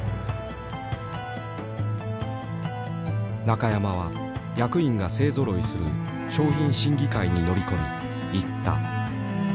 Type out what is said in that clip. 中山は役員が勢ぞろいする商品審議会に乗り込み言った。